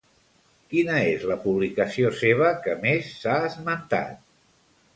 Quina és la publicació seva que més s'ha esmentat?